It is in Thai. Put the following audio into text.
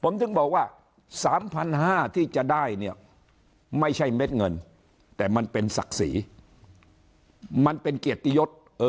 ผมถึงบอกว่า๓๕๐๐บาทที่จะได้เนี่ยไม่ใช่เม็ดเงินแต่มันเป็นศักดิ์ศรีมันเป็นเกียรติยศ